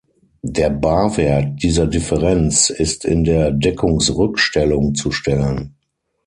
Der Barwert dieser Differenz ist in der Deckungsrückstellung zu stellen.